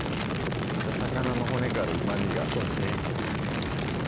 魚の骨からうまみがそうですね